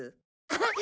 あっ！